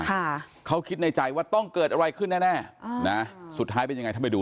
ค่ะเขาคิดในใจว่าต้องเกิดอะไรขึ้นแน่แน่อ่านะสุดท้ายเป็นยังไงท่านไปดู